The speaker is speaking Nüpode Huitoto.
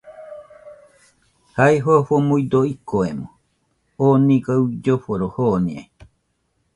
Jai, Jofo nuido ikoemo, oo niga uilloforo joniai